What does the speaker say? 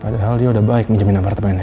padahal dia udah baik menjamin apartemennya